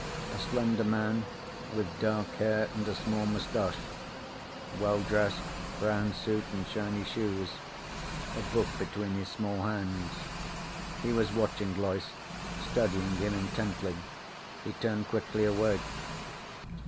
A slender man, with dark hair and a small mustache. Well dressed, brown suit and shiny shoes. A book between his small hands. He was watching Loyce, studying him intently. He turned quickly away.